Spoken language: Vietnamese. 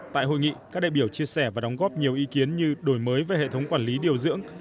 tại hội nghị các đại biểu chia sẻ và đóng góp nhiều ý kiến như đổi mới về hệ thống quản lý điều dưỡng